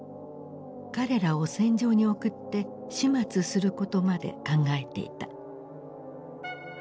彼らを戦場に送って始末することまで考えていた。